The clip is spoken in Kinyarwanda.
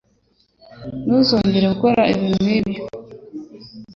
Ntuzongere gukora ibintu nkibyo.